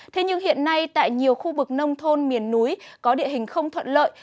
thế nhưng hiện nay tại nhiều khu vực nông thôn miền núi có địa hình không thuận lợi